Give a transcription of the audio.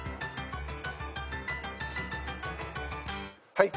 はい。